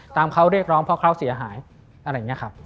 ตามเขาเรียกร้องเพราะเขาเสียหายอะไรอย่างนี้ครับ